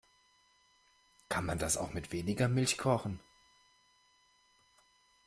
Kann man das auch mit weniger Milch kochen?